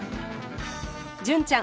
純ちゃん